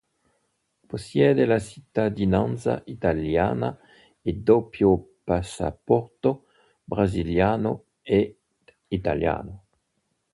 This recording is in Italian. Possiede la cittadinanza italiana e doppio passaporto, brasiliano ed italiano.